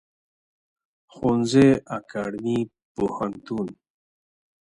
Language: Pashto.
ښوونځی اکاډیمی پوهنتونونه